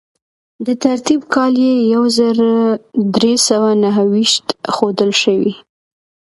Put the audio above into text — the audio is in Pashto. د ترتیب کال یې یو زر درې سوه نهه ویشت ښودل شوی.